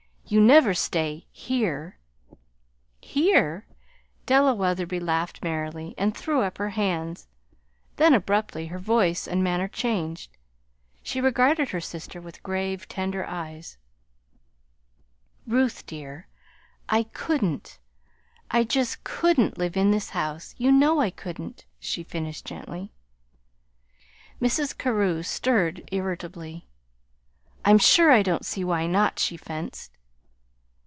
"You never stay here." "Here!" Della Wetherby laughed merrily, and threw up her hands; then, abruptly, her voice and manner changed. She regarded her sister with grave, tender eyes. "Ruth, dear, I couldn't I just couldn't live in this house. You know I couldn't," she finished gently. Mrs. Carew stirred irritably. "I'm sure I don't see why not," she fenced.